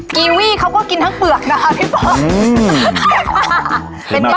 กีวี่เขาก็กินทั้งเปลือกนะคะพี่ป๊อก